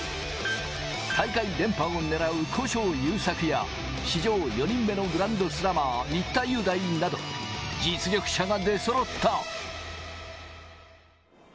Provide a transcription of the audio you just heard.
大会連覇をねらう古性優作や、史上４人目のグランドスラマー・新田祐大など、実力者が出揃った。